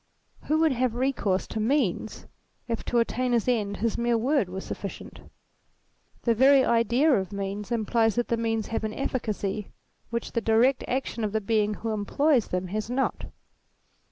"Who would have recourse to means if to attain his ' end his mere word was sufficient ? The very idea of means implies that the means have an efficacy which the direct action of the being who employs them has not.